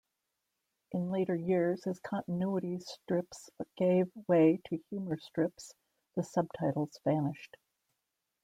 In later years, as continuity strips gave way to humor strips, the subtitles vanished.